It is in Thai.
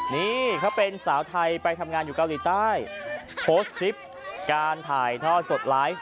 นี่เขาเป็นสาวไทยไปทำงานอยู่เกาหลีใต้โพสต์คลิปการถ่ายทอดสดไลฟ์